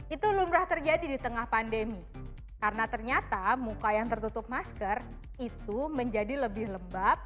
itu lumrah terjadi di tengah pandemi karena ternyata muka yang tertutup masker itu menjadi lebih lembab